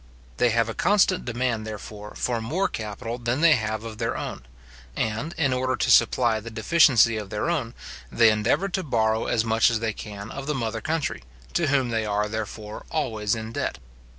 They have a constant demand, therefore, for more capital than they have of their own; and, in order to supply the deficiency of their own, they endeavour to borrow as much as they can of the mother country, to whom they are, therefore, always in debt.